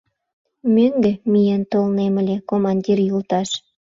— Мӧҥгӧ миен толнем ыле, командир йолташ...